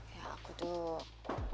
ya aku tuh